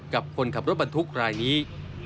กับคนขับรถบรรทุกรายนี้